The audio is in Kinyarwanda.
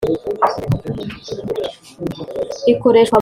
ikoreshwa mu buhinzi